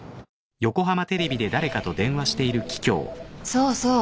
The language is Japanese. そうそう。